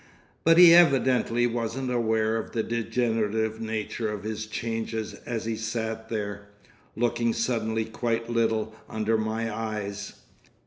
But he evidently wasn't aware of the degenerative nature of his changes as he sat there, looking suddenly quite little under my eyes.